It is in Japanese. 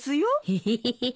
エヘヘヘッ。